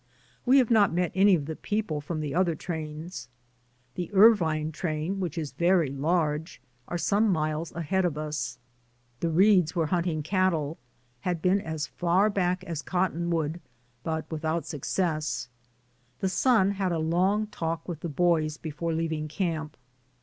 We have not met any of the people from the other trains. The Irvine train — which is very large — are some miles ahead of us. The Reades were hunting 98 DAYS ON THE ROAD. cattle, had been as far back as Cottonwood, but without success. The son had a long talk with the boys before leaving camp.